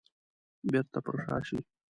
بيرته پر شا شي.